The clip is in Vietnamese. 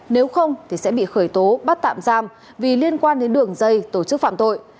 nếu không thì sẽ bị khởi tố bắt tạm giam vì liên quan đến đường dây tổ chức phạm tội